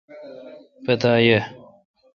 پتا یا۔